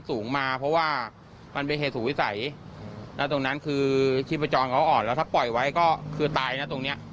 และตรงนั้นคือชีพจรเขาอ่อนแล้วถ้าปล่อยไว้ก็คือตายนะตรงนี้